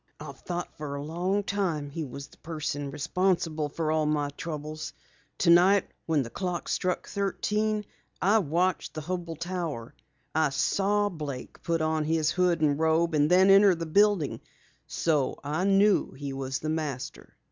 "I've thought for a long time he was the person responsible for all my trouble. Tonight when the clock struck thirteen, I watched the Hubell Tower. I saw Blake put on his hood and robe and then enter the building, so I knew he was the Master."